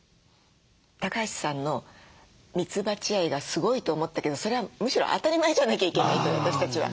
橋さんのミツバチ愛がすごいと思ったけどそれはむしろ当たり前じゃなきゃいけないと私たちは。